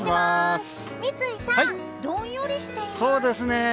三井さん、どんよりしています。